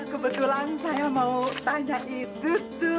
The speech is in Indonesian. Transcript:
kebetulan saya mau tanya itu